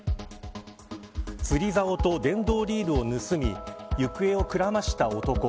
釣りざおと電動リールを盗み行方をくらました男。